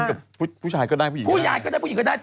กินกับผู้ชายก็ได้ผู้หญิงก็ได้